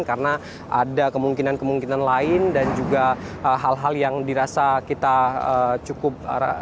karena ada kemungkinan kemungkinan lain dan juga hal hal yang dirasa kita cukup